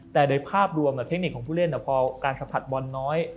แต่โดยภาพรวมเทคนิคของผู้เล่นพอการสัมผัสบอลน้อย